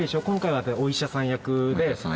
今回はお医者さん役で。